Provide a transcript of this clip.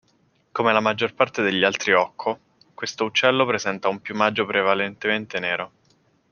Come la maggior parte degli altri hocco, questo uccello presenta un piumaggio prevalentemente nero.